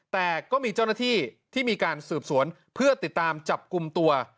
แต่ก็มีเจ้าหน้าที่ที่มีการสืบสวนเพื่อติดตามจับกลุ่มตัว